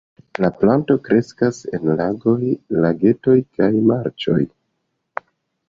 La planto kreskas en lagoj, lagetoj kaj marĉoj.